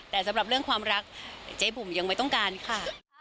แต่สำหรับเรื่องความรักเจ๊บุ๋มยังไม่ต้องการค่ะ